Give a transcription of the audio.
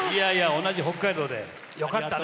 同じ北海道でよかったね。